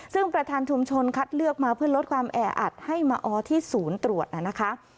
ซึ่งประธานชุมชนคัดเลือกมาเพื่อลดความแออัดให้มาออที่ศูนย์ตรวจนะคะ